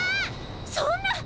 そんな。